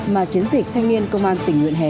mà chiến dịch thanh niên công an tỉnh nguyện hè